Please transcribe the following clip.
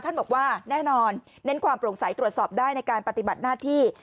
บอกว่าแน่นอนเน้นความโปร่งใสตรวจสอบได้ในการปฏิบัติหน้าที่